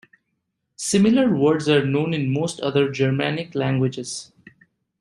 Similar words are known in most other Germanic languages.